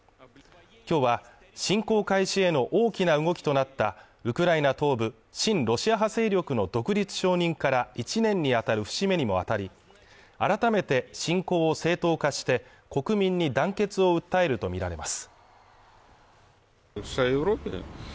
今日は侵攻開始への大きな動きとなったウクライナ東部親ロシア派勢力の独立承認から１年にあたる節目にもあたり、改めて侵攻を正当化して国民に団結を訴えるとみられます。